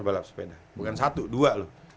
balap sepeda bukan satu dua loh